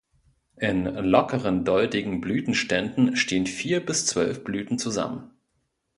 In lockeren doldigen Blütenständen stehen vier bis zwölf Blüten zusammen.